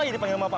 berita buruk apa